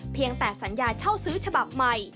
เพียงแต่สัญญาเช่าซื้อฉบับใหม่